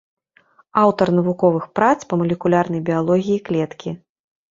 Аўтар навуковых прац па малекулярнай біялогіі клеткі.